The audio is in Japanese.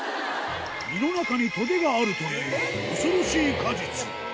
実の中にとげがあるという恐ろしい果実。